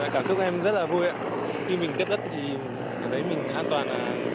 cảm xúc em rất là vui ạ khi mình kết đất thì thấy mình an toàn